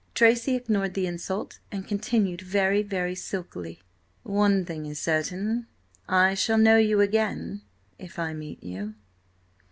Tracy ignored the insult, and continued very, very silkily: "One thing is certain: I shall know you again–if I meet you!"